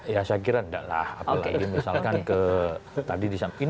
ya saya kira enggak lah apalagi misalkan ke tadi disampaikan